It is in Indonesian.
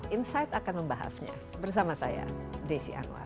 insight akan membahasnya bersama saya desi anwar